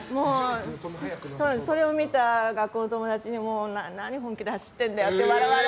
それを見た学校の友達も何、本気で走ってるんだって。